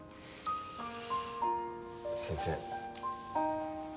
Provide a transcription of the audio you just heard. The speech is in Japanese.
先生。